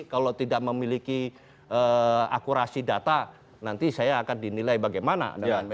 kalau tidak memiliki akurasi data nanti saya akan dinilai bagaimana dengan